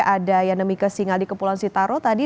ada yanemike singel di kepulauan sitaro tadi